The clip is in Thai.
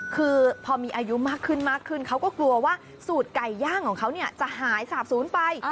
คือพอมีอายุมากขึ้นมากขึ้นเขาก็กลัวว่าสูตรไก่ย่างของเขาจะหายสาบศูนย์ไป